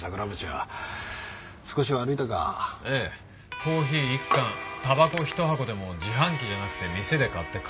コーヒー１缶たばこ１箱でも自販機じゃなくて店で買って顔を売れ